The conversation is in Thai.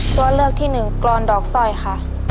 ตัวเลือกที่๑กรรณดอกสร้อยค่ะ